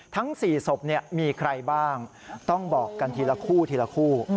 ทั้ง๔ศพมีใครบ้างต้องบอกกันทีละคู่ทีละคู่